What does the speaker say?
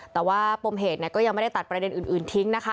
แต่ว่าปมเหตุก็ยังไม่ได้ตัดประเด็นอื่นทิ้งนะคะ